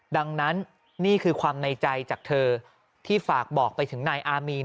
ดังนั้นนี่คือความในใจจากเธอที่ฝากบอกไปถึงนายอามีน